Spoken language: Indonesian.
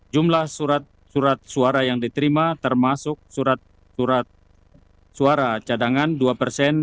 jumlah surat suara yang diterima termasuk surat suara cadangan dua